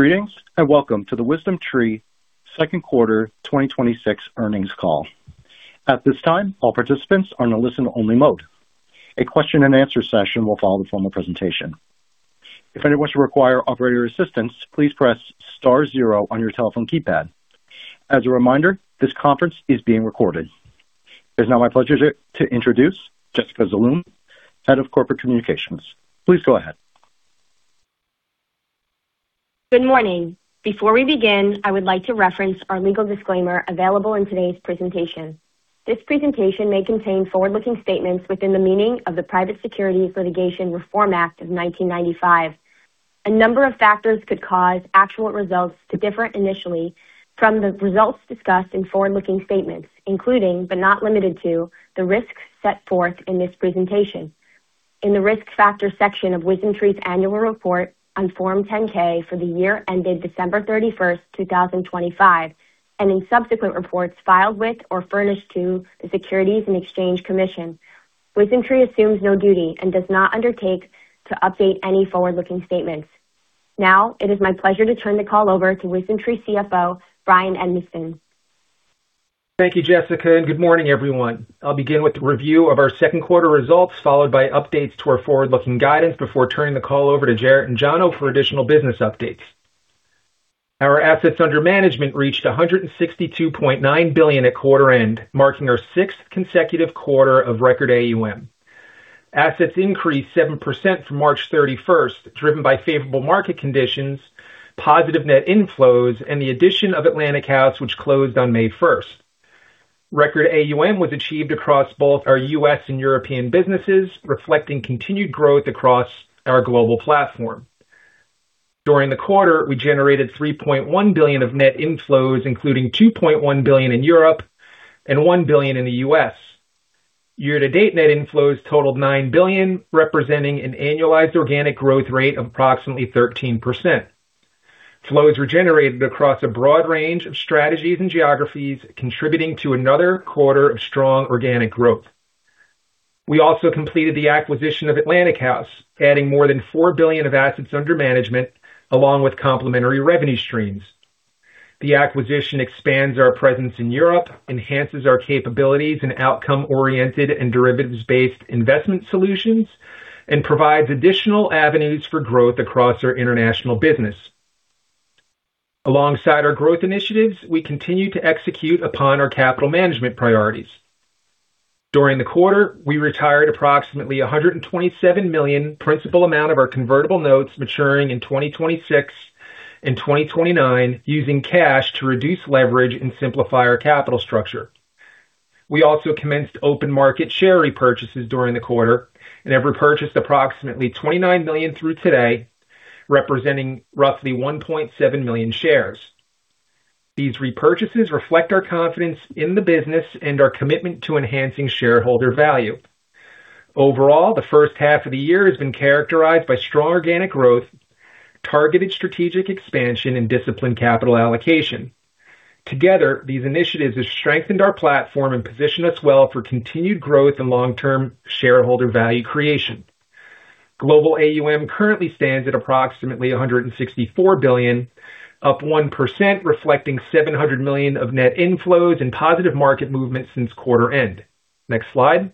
Greetings, and welcome to the WisdomTree second quarter 2026 earnings call. At this time, all participants are in a listen-only mode. A question and answer session will follow the formal presentation. If anyone should require operator assistance, please press star zero on your telephone keypad. As a reminder, this conference is being recorded. It's now my pleasure to introduce Jessica Zaloom, Head of Corporate Communications. Please go ahead. Good morning. Before we begin, I would like to reference our legal disclaimer available in today's presentation. This presentation may contain forward-looking statements within the meaning of the Private Securities Litigation Reform Act of 1995. A number of factors could cause actual results to differ initially from the results discussed in forward-looking statements, including, but not limited to, the risks set forth in this presentation, in the Risk Factors section of WisdomTree's annual report on Form 10-K for the year ended December 31st, 2025, and in subsequent reports filed with or furnished to the Securities and Exchange Commission. WisdomTree assumes no duty and does not undertake to update any forward-looking statements. It is my pleasure to turn the call over to WisdomTree Chief Financial Officer, Bryan Edmiston. Thank you, Jessica, and good morning, everyone. I'll begin with the review of our second quarter results, followed by updates to our forward-looking guidance before turning the call over to Jarrett and Jono for additional business updates. Our assets under management reached $162.9 billion at quarter end, marking our sixth consecutive quarter of record AUM. Assets increased 7% from March 31st, driven by favorable market conditions, positive net inflows, and the addition of Atlantic House, which closed on May 1st. Record AUM was achieved across both our U.S. and European businesses, reflecting continued growth across our global platform. During the quarter, we generated $3.1 billion of net inflows, including $2.1 billion in Europe and $1 billion in the U.S. Year-to-date net inflows totaled $9 billion, representing an annualized organic growth rate of approximately 13%. Flow is regenerated across a broad range of strategies and geographies, contributing to another quarter of strong organic growth. We also completed the acquisition of Atlantic House, adding more than $4 billion of assets under management along with complementary revenue streams. The acquisition expands our presence in Europe, enhances our capabilities in outcome-oriented and derivatives-based investment solutions, and provides additional avenues for growth across our international business. Alongside our growth initiatives, we continue to execute upon our capital management priorities. During the quarter, we retired approximately $127 million principal amount of our convertible notes maturing in 2026 and 2029 using cash to reduce leverage and simplify our capital structure. We also commenced open market share repurchases during the quarter and have repurchased approximately $29 million through today, representing roughly 1.7 million shares. These repurchases reflect our confidence in the business and our commitment to enhancing shareholder value. Overall, the first half of the year has been characterized by strong organic growth, targeted strategic expansion, and disciplined capital allocation. Together, these initiatives have strengthened our platform and position us well for continued growth and long-term shareholder value creation. Global AUM currently stands at approximately $164 billion, up 1%, reflecting $700 million of net inflows and positive market movement since quarter end. Next slide.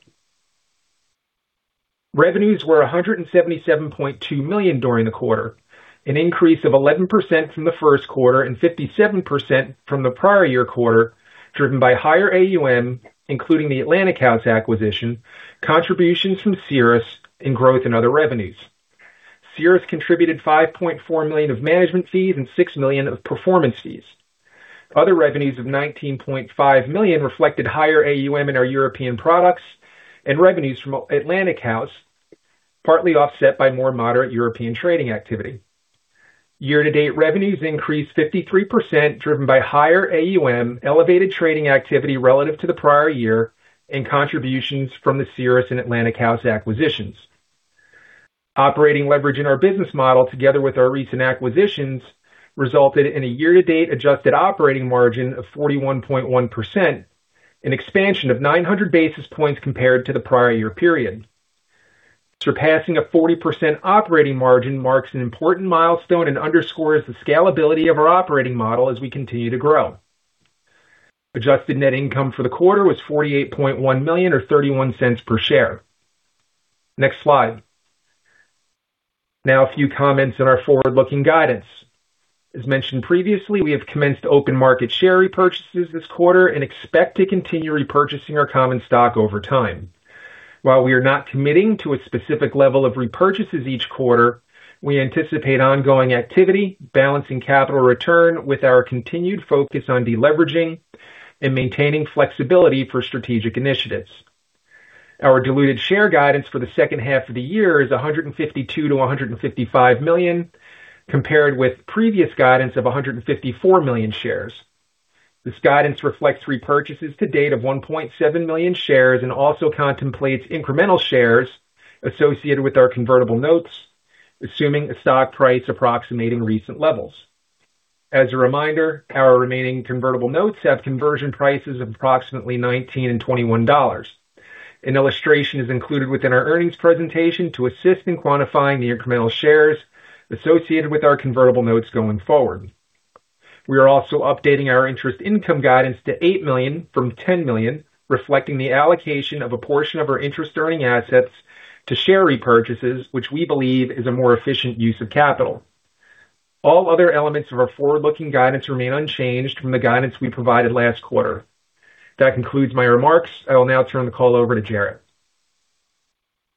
Revenues were $177.2 million during the quarter, an increase of 11% from the first quarter and 57% from the prior year quarter, driven by higher AUM, including the Atlantic House acquisition, contributions from Ceres, and growth in other revenues. Ceres contributed $5.4 million of management fees and $6 million of performance fees. Other revenues of $19.5 million reflected higher AUM in our European products and revenues from Atlantic House, partly offset by more moderate European trading activity. Year-to-date revenues increased 53%, driven by higher AUM, elevated trading activity relative to the prior year, and contributions from the Ceres and Atlantic House acquisitions. Operating leverage in our business model, together with our recent acquisitions, resulted in a year-to-date adjusted operating margin of 41.1%, an expansion of 900 basis points compared to the prior year period. Surpassing a 40% operating margin marks an important milestone and underscores the scalability of our operating model as we continue to grow. Adjusted net income for the quarter was $48.1 million or $0.31 per share. Next slide. A few comments on our forward-looking guidance. As mentioned previously, we have commenced open market share repurchases this quarter and expect to continue repurchasing our common stock over time. While we are not committing to a specific level of repurchases each quarter, we anticipate ongoing activity, balancing capital return with our continued focus on deleveraging and maintaining flexibility for strategic initiatives. Our diluted share guidance for the second half of the year is 152 million-155 million, compared with previous guidance of 154 million shares. This guidance reflects repurchases to date of 1.7 million shares and also contemplates incremental shares associated with our convertible notes, assuming a stock price approximating recent levels. As a reminder, our remaining convertible notes have conversion prices of approximately $19 and $21. An illustration is included within our earnings presentation to assist in quantifying the incremental shares associated with our convertible notes going forward. We are also updating our interest income guidance to $8 million from $10 million, reflecting the allocation of a portion of our interest-earning assets to share repurchases, which we believe is a more efficient use of capital. All other elements of our forward-looking guidance remain unchanged from the guidance we provided last quarter. That concludes my remarks. I will now turn the call over to Jarrett.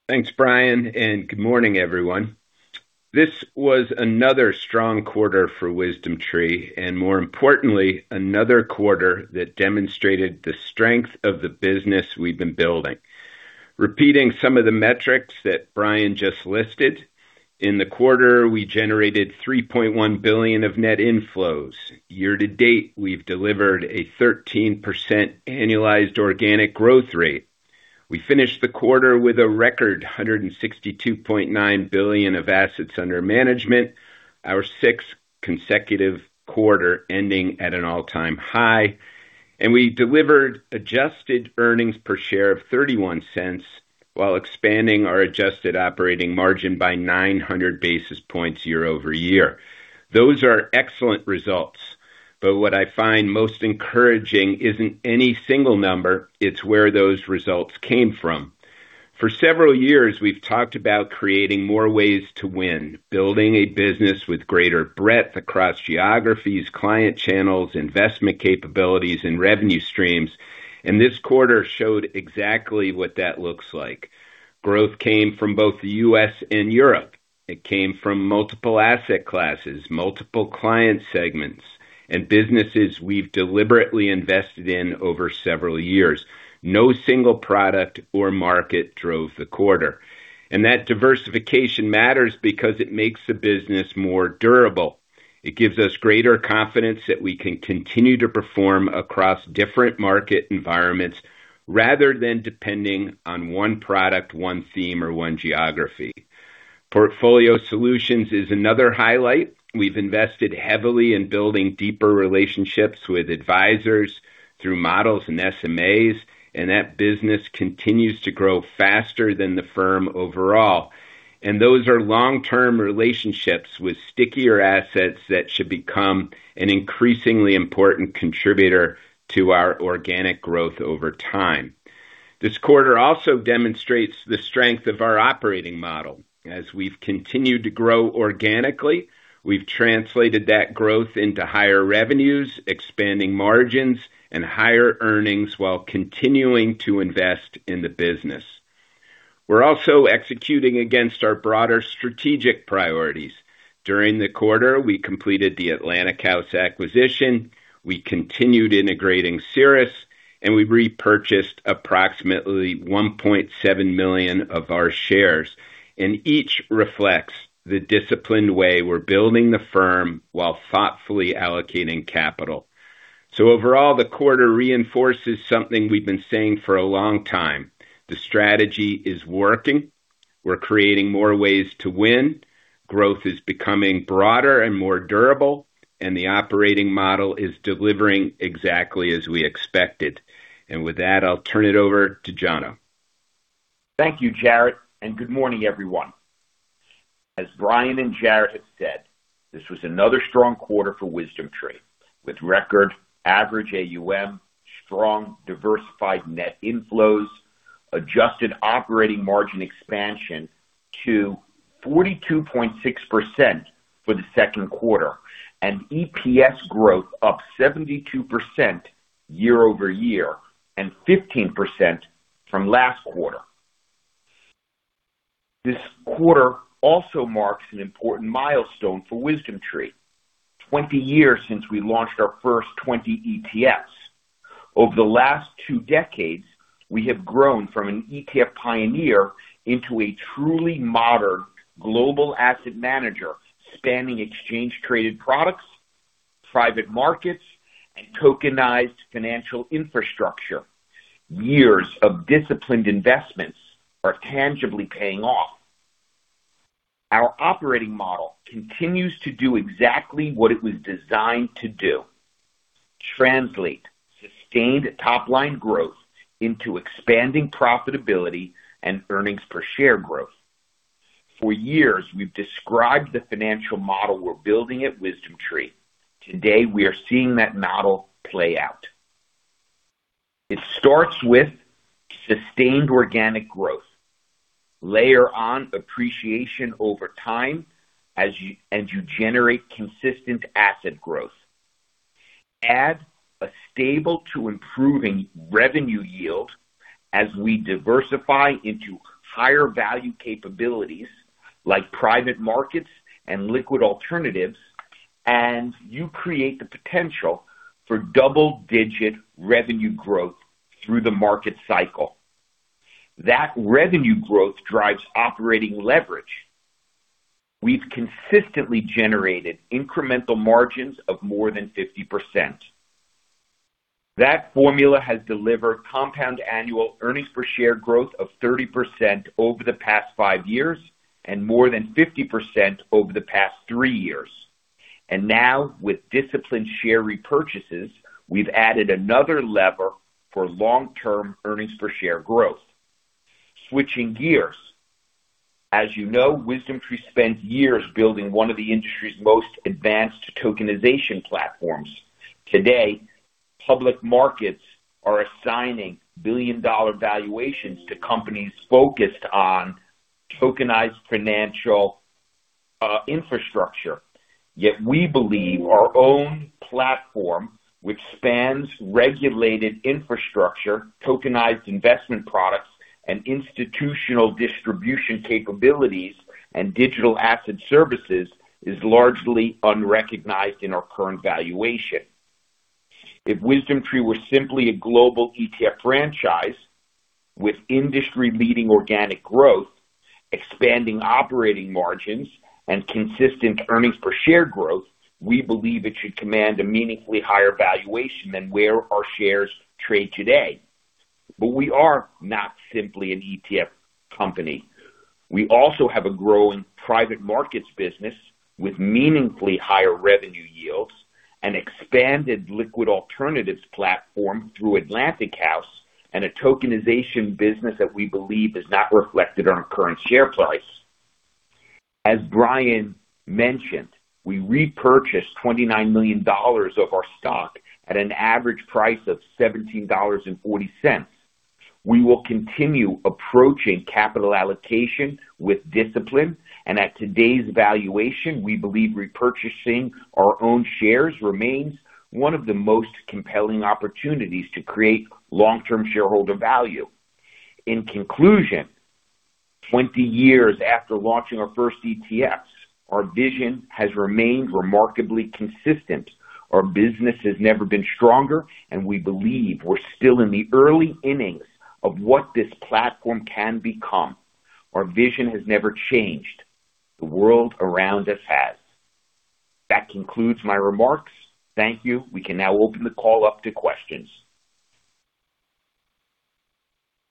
Thanks, Bryan, and good morning, everyone. This was another strong quarter for WisdomTree, and more importantly, another quarter that demonstrated the strength of the business we've been building. Repeating some of the metrics that Bryan just listed. In the quarter, we generated $3.1 billion of net inflows. Year-to-date, we've delivered a 13% annualized organic growth rate. We finished the quarter with a record $162.9 billion of assets under management, our sixth consecutive quarter ending at an all-time high. We delivered adjusted earnings per share of $0.31 while expanding our adjusted operating margin by 900 basis points year-over-year. Those are excellent results. What I find most encouraging isn't any single number, it's where those results came from. For several years, we've talked about creating more ways to win. Building a business with greater breadth across geographies, client channels, investment capabilities, and revenue streams. This quarter showed exactly what that looks like. Growth came from both the U.S. and Europe. It came from multiple asset classes, multiple client segments, and businesses we've deliberately invested in over several years. No single product or market drove the quarter. That diversification matters because it makes the business more durable. It gives us greater confidence that we can continue to perform across different market environments rather than depending on one product, one theme, or one geography. Portfolio Solutions is another highlight. We've invested heavily in building deeper relationships with advisors through models and SMAs, and that business continues to grow faster than the firm overall. Those are long-term relationships with stickier assets that should become an increasingly important contributor to our organic growth over time. This quarter also demonstrates the strength of our operating model. As we've continued to grow organically, we've translated that growth into higher revenues, expanding margins, and higher earnings while continuing to invest in the business. We're also executing against our broader strategic priorities. During the quarter, we completed the Atlantic House acquisition, we continued integrating Ceres, and we repurchased approximately 1.7 million of our shares. Each reflects the disciplined way we're building the firm while thoughtfully allocating capital. Overall, the quarter reinforces something we've been saying for a long time. The strategy is working. We're creating more ways to win. Growth is becoming broader and more durable, and the operating model is delivering exactly as we expected. With that, I'll turn it over to Jono. Thank you, Jarrett, and good morning, everyone. As Bryan and Jarrett have said, this was another strong quarter for WisdomTree, with record average AUM, strong diversified net inflows, adjusted operating margin expansion to 42.6% for the second quarter, and EPS growth up 72% year-over-year and 15% from last quarter. This quarter also marks an important milestone for WisdomTree. 20 years since we launched our first 20 ETFs. Over the last two decades, we have grown from an ETF pioneer into a truly modern global asset manager, spanning exchange traded products, private markets, and tokenized financial infrastructure. Years of disciplined investments are tangibly paying off. Our operating model continues to do exactly what it was designed to do. Translate sustained top-line growth into expanding profitability and earnings per share growth. For years, we've described the financial model we're building at WisdomTree. Today, we are seeing that model play out. It starts with sustained organic growth. Layer on appreciation over time as you generate consistent asset growth. Add a stable to improving revenue yield as we diversify into higher value capabilities like private markets and liquid alternatives, and you create the potential for double-digit revenue growth through the market cycle. That revenue growth drives operating leverage. We've consistently generated incremental margins of more than 50%. That formula has delivered compound annual earnings per share growth of 30% over the past five years and more than 50% over the past three years. Now with disciplined share repurchases, we've added another lever for long-term earnings per share growth. Switching gears. As you know, WisdomTree spent years building one of the industry's most advanced tokenization platforms. Today, public markets are assigning billion-dollar valuations to companies focused on tokenized financial infrastructure. Yet we believe our own platform, which spans regulated infrastructure, tokenized investment products, and institutional distribution capabilities, and digital asset services, is largely unrecognized in our current valuation. If WisdomTree were simply a global ETF franchise with industry-leading organic growth, expanding operating margins, and consistent earnings per share growth, we believe it should command a meaningfully higher valuation than where our shares trade today. But we are not simply an ETF company. We also have a growing private markets business with meaningfully higher revenue yields, an expanded liquid alternatives platform through Atlantic House, and a tokenization business that we believe is not reflected in our current share price. As Bryan mentioned, we repurchased $29 million of our stock at an average price of $17.40. We will continue approaching capital allocation with discipline. And at today's valuation, we believe repurchasing our own shares remains one of the most compelling opportunities to create long-term shareholder value. In conclusion, 20 years after launching our first ETFs, our vision has remained remarkably consistent. Our business has never been stronger, and we believe we're still in the early innings of what this platform can become. Our vision has never changed. The world around us has. That concludes my remarks. Thank you. We can now open the call up to questions.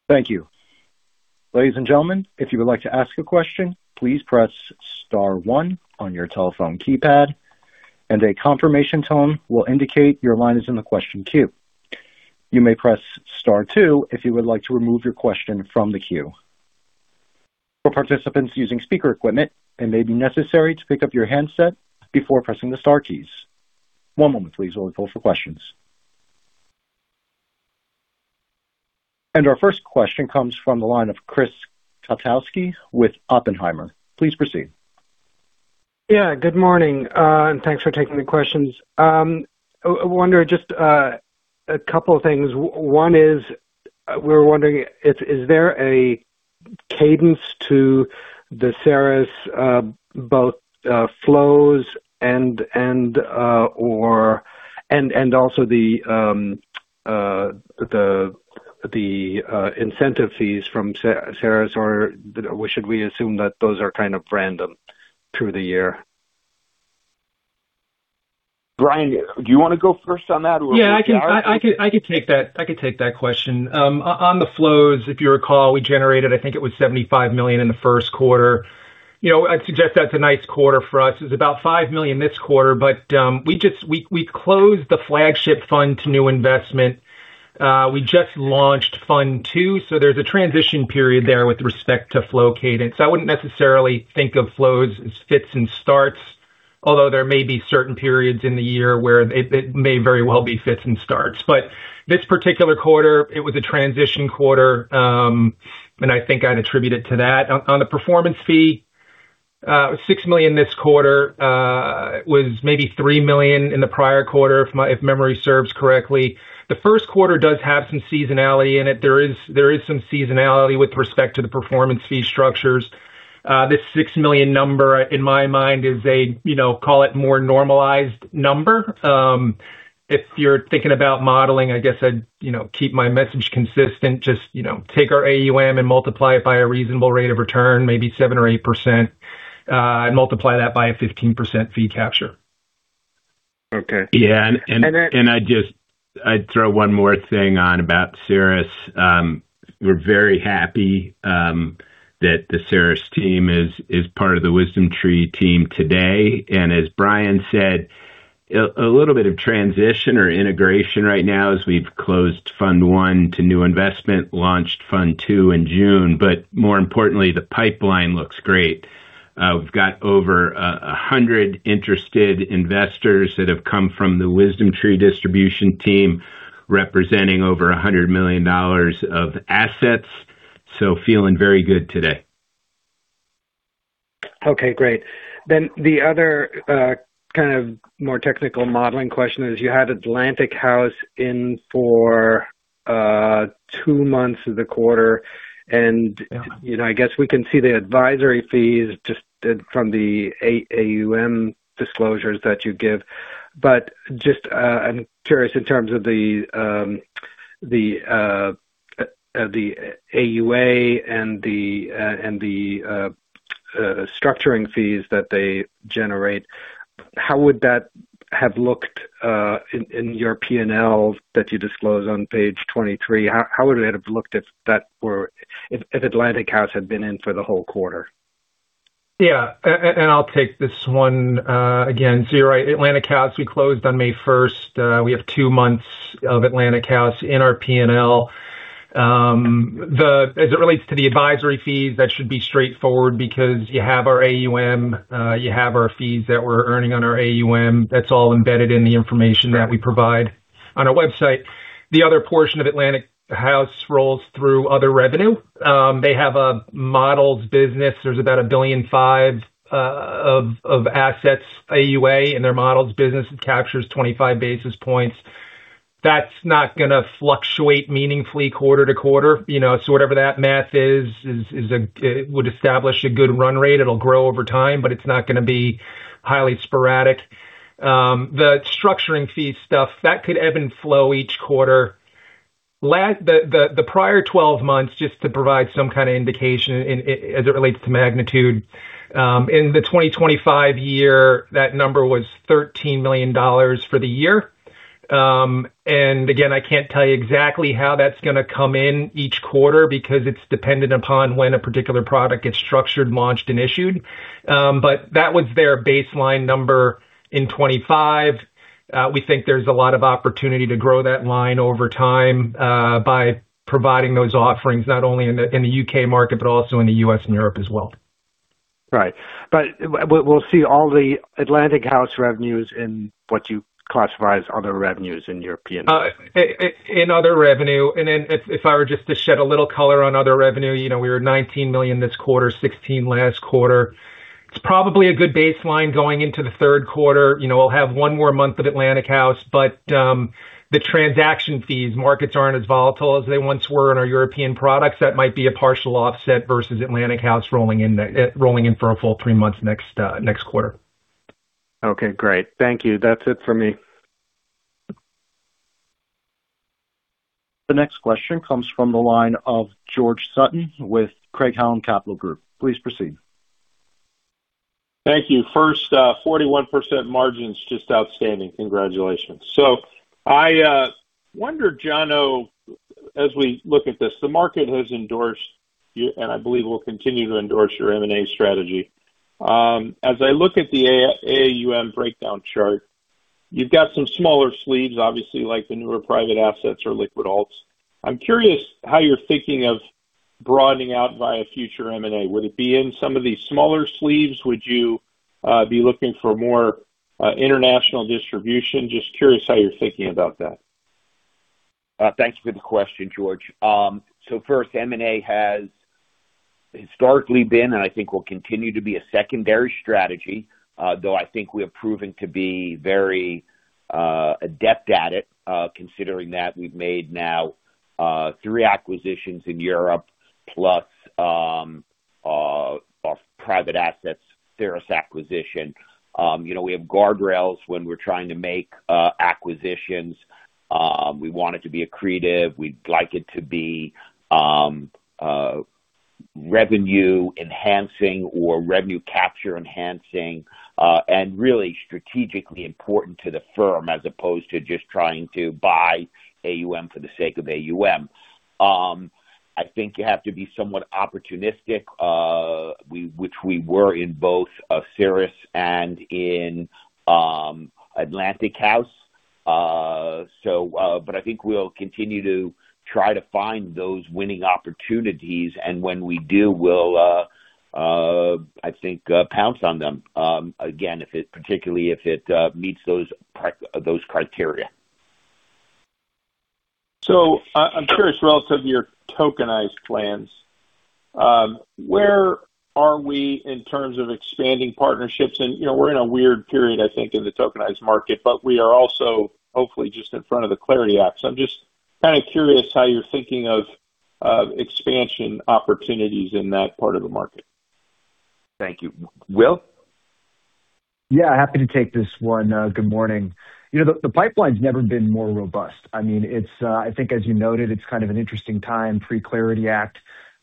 Thank you. Ladies and gentlemen, if you would like to ask a question, please press star one on your telephone keypad and a confirmation tone will indicate your line is in the question queue. You may press star two if you would like to remove your question from the queue. For participants using speaker equipment, it may be necessary to pick up your handset before pressing the star keys. One moment please while we pull for questions. And our first question comes from the line of Chris Kotowski with Oppenheimer. Please proceed. Yeah, good morning, thanks for taking the questions. I wonder just a couple of things. One is, we were wondering, is there a cadence to the Ceres both flows and also the incentive fees from Ceres, or should we assume that those are kind of random through the year? Bryan, do you want to go first on that? Yeah, I could take that question. On the flows, if you recall, we generated, I think it was $75 million in the first quarter. I'd suggest that's a nice quarter for us. It was about $5 million this quarter, we closed the flagship fund to new investment. We just launched Fund 2, there's a transition period there with respect to flow cadence. I wouldn't necessarily think of flows as fits and starts, although there may be certain periods in the year where it may very well be fits and starts. This particular quarter, it was a transition quarter, and I think I'd attribute it to that. On the performance fee, $6 million this quarter. It was maybe $3 million in the prior quarter, if memory serves correctly. The first quarter does have some seasonality in it. There is some seasonality with respect to the performance fee structures. This $6 million number, in my mind, is a, call it more normalized number. If you're thinking about modeling, I guess I'd keep my message consistent. Just take our AUM and multiply it by a reasonable rate of return, maybe 7% or 8%, and multiply that by a 15% fee capture. Okay. Yeah. I'd throw one more thing on about Ceres. We're very happy that the Ceres team is part of the WisdomTree team today. As Bryan said, a little bit of transition or integration right now as we've closed Fund 1 to new investment, launched Fund 2 in June. More importantly, the pipeline looks great. We've got over 100 interested investors that have come from the WisdomTree distribution team, representing over $100 million of assets. Feeling very good today. Okay, great. The other kind of more technical modeling question is you had Atlantic House in for two months of the quarter, and I guess we can see the advisory fees just from the AUM disclosures that you give. Just, I'm curious in terms of the AUA and the structuring fees that they generate, how would that have looked in your P&L that you disclose on page 23? How would it have looked if Atlantic House had been in for the whole quarter? Yeah. I'll take this one. Again, you're right. Atlantic House, we closed on May 1st. We have two months of Atlantic House in our P&L. As it relates to the advisory fees, that should be straightforward because you have our AUM, you have our fees that we're earning on our AUM. That's all embedded in the information that we provide on our website. The other portion of Atlantic House rolls through other revenue. They have a models business. There's about 1.5 billion of assets AUA in their models business. It captures 25 basis points. That's not going to fluctuate meaningfully quarter to quarter. Whatever that math is, it would establish a good run rate. It'll grow over time, it's not going to be highly sporadic. The structuring fee stuff, that could ebb and flow each quarter. The prior 12 months, just to provide some kind of indication as it relates to magnitude, in the 2025 year, that number was $13 million for the year. Again, I can't tell you exactly how that's going to come in each quarter because it's dependent upon when a particular product gets structured, launched, and issued. That was their baseline number in 2025. We think there's a lot of opportunity to grow that line over time by providing those offerings, not only in the U.K. market, but also in the U.S. and Europe as well. Right. We'll see all the Atlantic House revenues in what you classify as other revenues in your P&L. In other revenue. If I were just to shed a little color on other revenue, we were at $19 million this quarter, $16 million last quarter. It's probably a good baseline going into the third quarter. We'll have one more month of Atlantic House. The transaction fees, markets aren't as volatile as they once were in our European products. That might be a partial offset versus Atlantic House rolling in for a full three months next quarter. Okay, great. Thank you. That's it for me. The next question comes from the line of George Sutton with Craig-Hallum Capital Group. Please proceed. Thank you. First, 41% margin's just outstanding. Congratulations. I wonder, Jonathan, as we look at this, the market has endorsed you, and I believe will continue to endorse your M&A strategy. As I look at the AUM breakdown chart, you've got some smaller sleeves, obviously, like the newer private assets or liquid alts. I'm curious how you're thinking of broadening out via future M&A. Would it be in some of these smaller sleeves? Would you be looking for more international distribution? Just curious how you're thinking about that. Thanks for the question, George. First, M&A has historically been, and I think will continue to be, a secondary strategy. Though I think we have proven to be very adept at it, considering that we've made now three acquisitions in Europe, plus our private assets Ceres acquisition. We have guardrails when we're trying to make acquisitions. We want it to be accretive. We'd like it to be revenue enhancing or revenue capture enhancing, and really strategically important to the firm as opposed to just trying to buy AUM for the sake of AUM. I think you have to be somewhat opportunistic, which we were in both Ceres and in Atlantic House. I think we'll continue to try to find those winning opportunities, and when we do, we'll, I think, pounce on them again, particularly if it meets those criteria. I'm curious, relative to your tokenized plans, where are we in terms of expanding partnerships? We're in a weird period, I think, in the tokenized market, but we are also hopefully just in front of the CLARITY Act. I'm just kind of curious how you're thinking of expansion opportunities in that part of the market. Thank you. Will? Yeah. Happy to take this one. Good morning. The pipeline's never been more robust. I think as you noted, it's kind of an interesting time pre-CLARITY Act,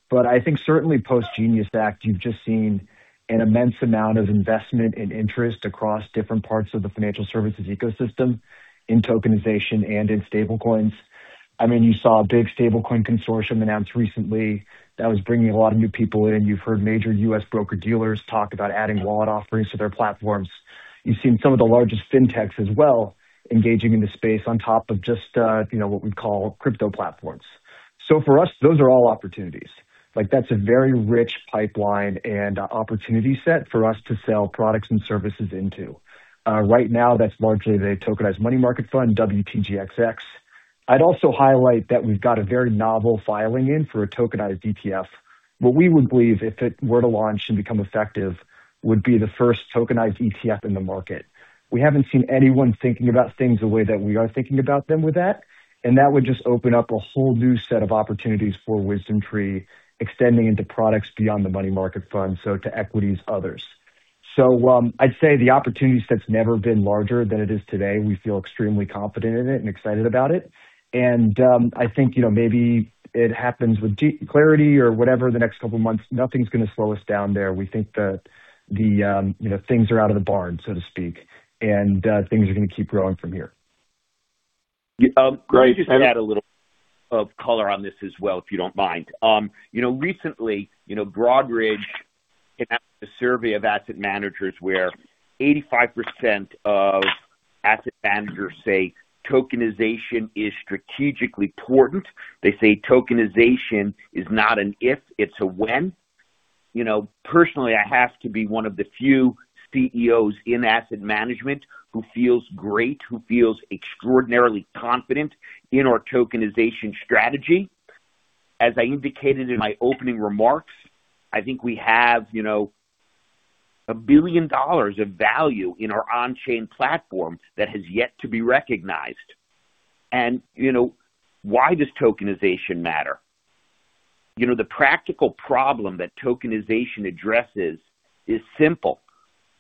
but I think certainly Post-GENIUS Act, you've just seen an immense amount of investment and interest across different parts of the financial services ecosystem in tokenization and in stablecoins. You saw a big stablecoin consortium announced recently that was bringing a lot of new people in. You've heard major U.S. broker-dealers talk about adding wallet offerings to their platforms. You've seen some of the largest fintechs as well engaging in the space on top of just what we'd call crypto platforms. For us, those are all opportunities. That's a very rich pipeline and opportunity set for us to sell products and services into. Right now, that's largely the tokenized money market fund, WTGXX. I'd also highlight that we've got a very novel filing in for a tokenized ETF. What we would believe, if it were to launch and become effective, would be the first tokenized ETF in the market. We haven't seen anyone thinking about things the way that we are thinking about them with that would just open up a whole new set of opportunities for WisdomTree extending into products beyond the money market fund, so to equities, others. I would say the opportunity set's never been larger than it is today. We feel extremely confident in it and excited about it. I think maybe it happens with CLARITY or whatever the next couple of months, nothing's going to slow us down there. We think that things are out of the barn, so to speak, and things are going to keep growing from here. Great. Let me just add a little of color on this as well, if you don't mind. Recently, Broadridge conducted a survey of asset managers where 85% of asset managers say tokenization is strategically important. They say tokenization is not an if, it's a when. Personally, I have to be one of the few Chief Executive Officers in asset management who feels great, who feels extraordinarily confident in our tokenization strategy. As I indicated in my opening remarks, I think we have $1 billion of value in our on-chain platform that has yet to be recognized. Why does tokenization matter? The practical problem that tokenization addresses is simple.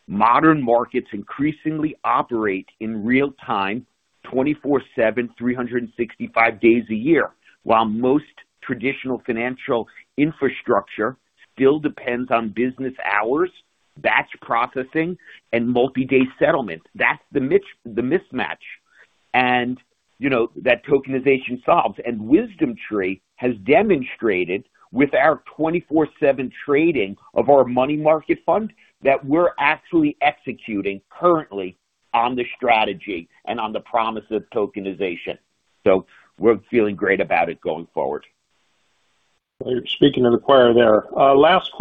Modern markets increasingly operate in real time, 24/7, 365 days a year, while most traditional financial infrastructure still depends on business hours, batch processing, and multi-day settlement. That's the mismatch. That tokenization solves. WisdomTree has demonstrated with our 24/7 trading of our money market fund that we are actually executing currently on the strategy and on the promise of tokenization. We are feeling great about it going forward. Well, you're speaking to the choir there. Last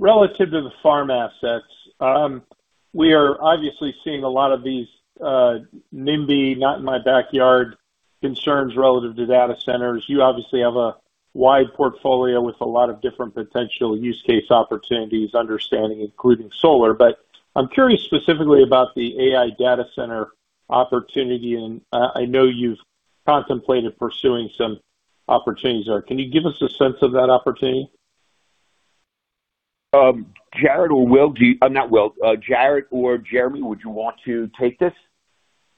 question. Relative to the farm assets, we are obviously seeing a lot of these NIMBY, not in my backyard, concerns relative to data centers. You obviously have a wide portfolio with a lot of different potential use case opportunities, understanding, including solar. I'm curious specifically about the AI data center opportunity, and I know you've contemplated pursuing some opportunities there. Can you give us a sense of that opportunity? Jarrett or Jeremy, would you want to take this?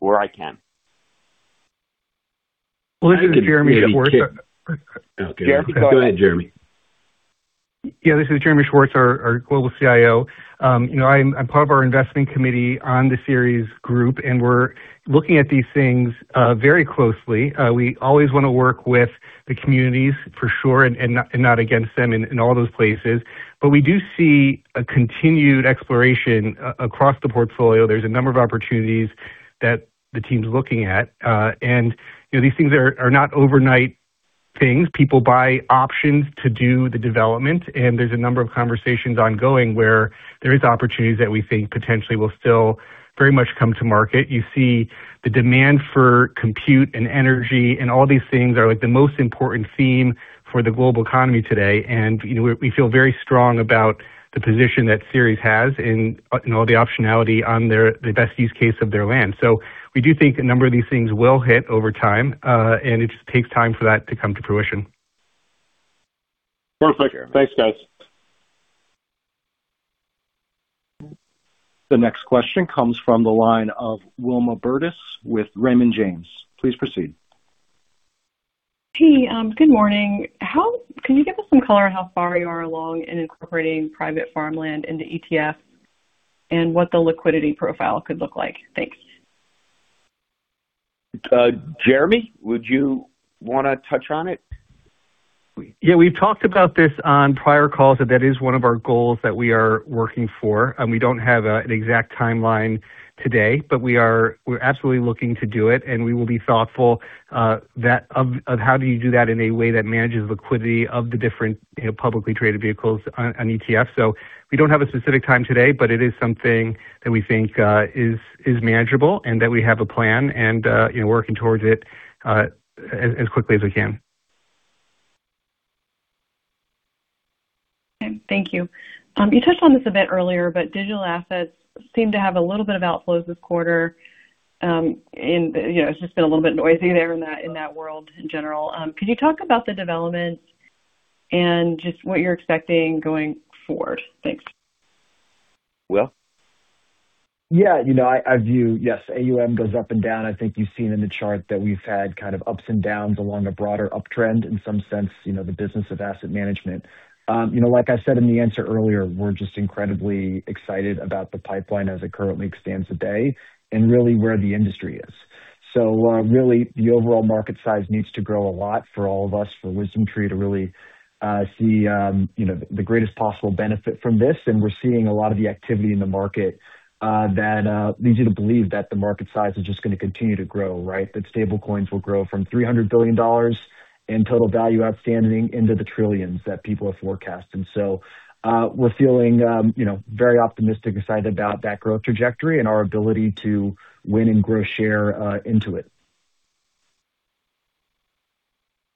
I can. We'll give it to Jeremy Schwartz. Okay. Go ahead, Jeremy. This is Jeremy Schwartz, our global Chief Investment Officer. I'm part of our investing committee on the Ceres group, we're looking at these things very closely. We always want to work with the communities for sure, not against them in all those places. We do see a continued exploration across the portfolio. There's a number of opportunities that the team's looking at. These things are not overnight things. People buy options to do the development, there's a number of conversations ongoing where there is opportunities that we think potentially will still very much come to market. You see the demand for compute and energy, all these things are the most important theme for the global economy today. We feel very strong about the position that Ceres has and all the optionality on the best use case of their land. We do think a number of these things will hit over time, it just takes time for that to come to fruition. Perfect. Thanks, guys. The next question comes from the line of Wilma Burdis with Raymond James. Please proceed. Hey, good morning. Can you give us some color on how far you are along in incorporating private farmland into ETF and what the liquidity profile could look like? Thanks. Jeremy, would you want to touch on it? Yeah. We've talked about this on prior calls, that that is one of our goals that we are working for. We don't have an exact timeline today, but we're absolutely looking to do it, and we will be thoughtful of how do you do that in a way that manages liquidity of the different publicly traded vehicles on ETF. We don't have a specific time today, but it is something that we think is manageable and that we have a plan and working towards it as quickly as we can. Okay. Thank you. You touched on this a bit earlier, but digital assets seem to have a little bit of outflows this quarter. It's just been a little bit noisy there in that world in general. Could you talk about the developments and just what you're expecting going forward? Thanks. Will? Yeah. AUM goes up and down. I think you've seen in the chart that we've had kind of ups and downs along a broader uptrend in some sense, the business of asset management. Like I said in the answer earlier, we're just incredibly excited about the pipeline as it currently stands today and really where the industry is. Really, the overall market size needs to grow a lot for all of us, for WisdomTree, to really see the greatest possible benefit from this. We're seeing a lot of the activity in the market that leads you to believe that the market size is just going to continue to grow, right? That stable coins will grow from $300 billion in total value outstanding into the trillions that people have forecasted. We're feeling very optimistic, excited about that growth trajectory and our ability to win and grow share into it.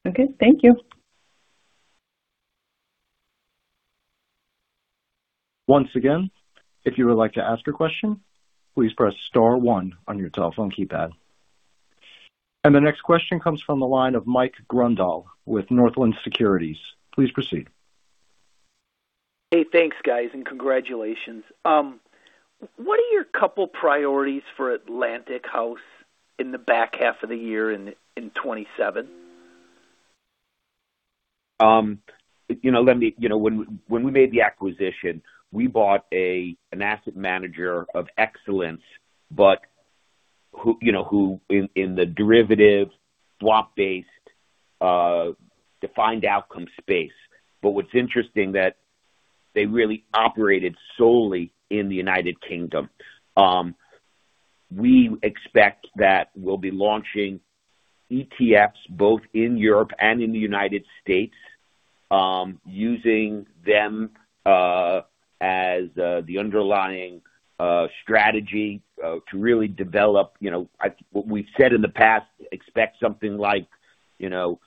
Okay. Thank you. Once again, if you would like to ask a question, please press star one on your telephone keypad. The next question comes from the line of Mike Grondahl with Northland Securities. Please proceed. Hey, thanks, guys, and congratulations. What are your couple priorities for Atlantic House in the back half of the year in 2027? When we made the acquisition, we bought an asset manager of excellence, but who in the derivative swap-based defined outcome space. What's interesting that they really operated solely in the U.K. We expect that we'll be launching ETFs both in Europe and in the U.S., using them as the underlying strategy to really develop. What we've said in the past, expect something like 15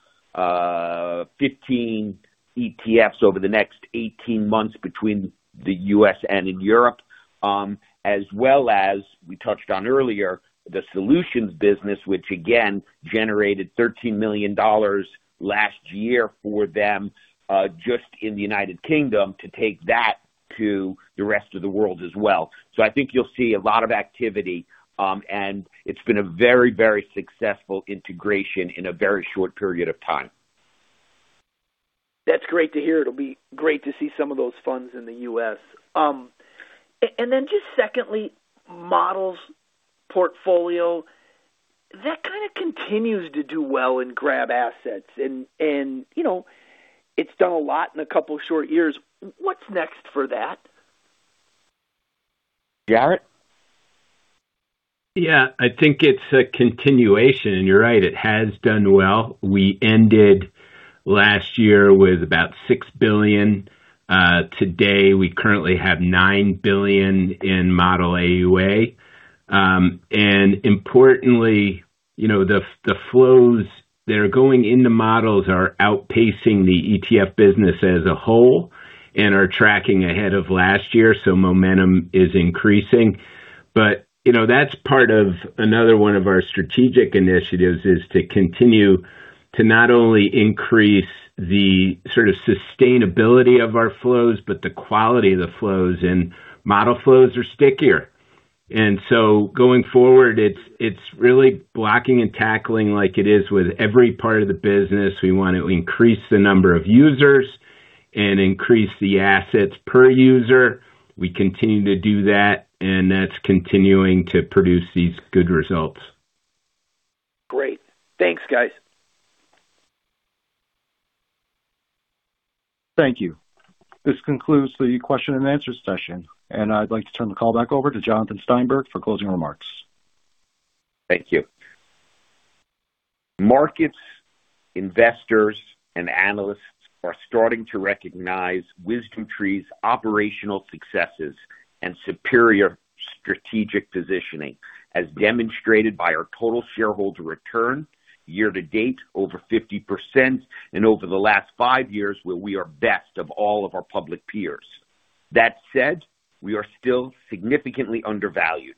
ETFs over the next 18 months between the U.S. and in Europe, as well as we touched on earlier, the Portfolio Solutions business, which again, generated $13 million last year for them, just in the U.K., to take that to the rest of the world as well. I think you'll see a lot of activity, and it's been a very successful integration in a very short period of time. That's great to hear. It'll be great to see some of those funds in the U.S. Just secondly, Portfolio Solutions. That kind of continues to do well and grab assets. It's done a lot in two short years. What's next for that? Jarrett? Yeah. I think it's a continuation. You're right, it has done well. We ended last year with about $6 billion. Today, we currently have $9 billion in model AUA. Importantly, the flows that are going into models are outpacing the ETF business as a whole and are tracking ahead of last year, momentum is increasing. That's part of another one of our strategic initiatives, is to continue to not only increase the sort of sustainability of our flows, but the quality of the flows, and model flows are stickier. Going forward, it's really blocking and tackling like it is with every part of the business. We want to increase the number of users and increase the assets per user. We continue to do that, and that's continuing to produce these good results. Great. Thanks, guys. Thank you. This concludes the question and answer session. I'd like to turn the call back over to Jonathan Steinberg for closing remarks. Thank you. Markets, investors, and analysts are starting to recognize WisdomTree's operational successes and superior strategic positioning, as demonstrated by our total shareholder return year to date over 50%, and over the last five years, where we are best of all of our public peers. That said, we are still significantly undervalued.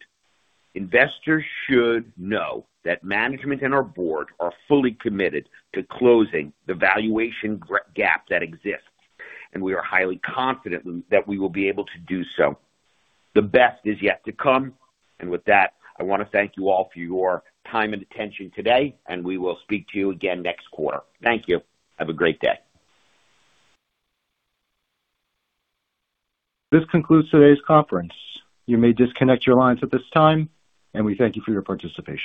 Investors should know that management and our board are fully committed to closing the valuation gap that exists, and we are highly confident that we will be able to do so. The best is yet to come. With that, I want to thank you all for your time and attention today, and we will speak to you again next quarter. Thank you. Have a great day. This concludes today's conference. You may disconnect your lines at this time, and we thank you for your participation.